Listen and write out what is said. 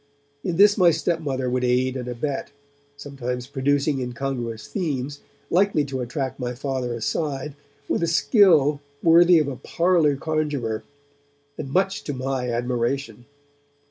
In this my stepmother would aid and abet, sometimes producing incongruous themes, likely to attract my Father aside, with a skill worthy of a parlour conjurer, and much to my admiration.